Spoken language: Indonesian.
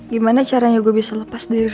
gimana caranya gue bisa lepas dari